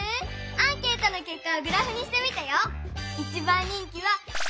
アンケートのけっかをグラフにしてみたよ！